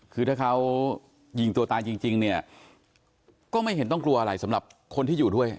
คือถ้าเขายิงตัวตายจริงเนี่ยก็ไม่เห็นต้องกลัวอะไรสำหรับคนที่อยู่ด้วย